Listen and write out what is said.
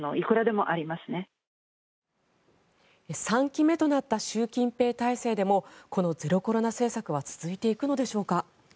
３期目となった習近平体制でもこのゼロコロナ政策は続いていくのでしょうか。